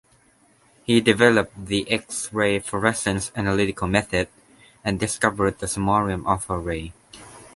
He developed the X-ray fluorescence analytical method, and discovered the Samarium alpha-ray.